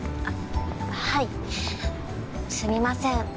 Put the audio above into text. あっはいすみません